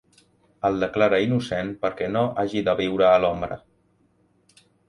El declara innocent perquè no hagi de viure a l'ombra.